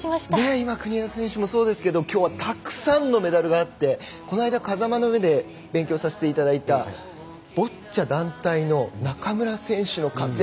今、国枝選手もそうですけどきょうはたくさんのメダルがあってこの間「風間の目」で勉強させていただいたボッチャ団体の中村選手の活躍